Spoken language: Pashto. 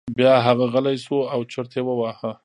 بیا هغه غلی شو او چرت یې وواهه.